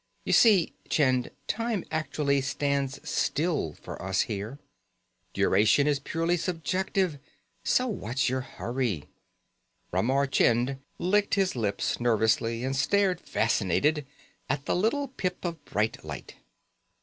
You see, Chind, time actually stands still for us here. Duration is purely subjective, so what's your hurry?" Ramar Chind licked his lips nervously and stared fascinated at the little pip of bright light.